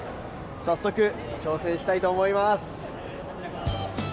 早速、挑戦したいと思います。